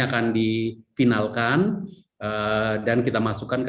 akan difinalkan dan kita masukkan ke